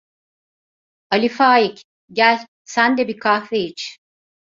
Ali Faik, gel sen de bir kahve iç.